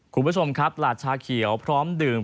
คุณผู้ชมครับหลาดชาเขียวพร้อมดื่ม